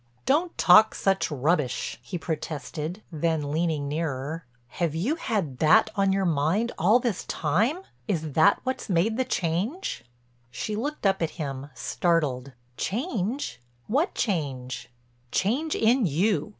"Don't talk such rubbish," he protested, then leaning nearer, "Have you had that on your mind all this time? Is that what's made the change?" She looked up at him, startled: "Change—what change?" "Change in you.